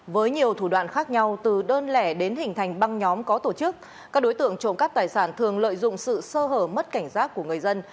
với nhiều thủ đoạn khác nhau từ đơn lẻ đến hình thành băng nhóm có tổ chức các đối tượng trộm cắp tài sản thường lợi dụng sự sơ hở mất cảnh giác của người dân